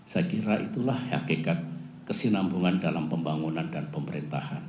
saya kira itulah hakikat kesinambungan dalam pembangunan dan pemerintahan